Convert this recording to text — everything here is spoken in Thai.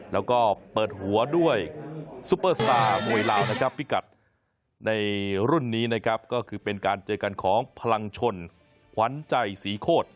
แล้วก็เปิดหัวด้วยซุปเปอร์สตาร์มวยลาวนะครับพิกัดในรุ่นนี้นะครับก็คือเป็นการเจอกันของพลังชนขวัญใจศรีโคตร